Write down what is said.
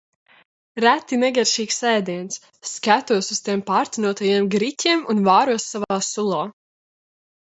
Reti negaršīgs ēdiens. Skatos uz tiem pārcenotajiem griķiem un vāros savā sulā.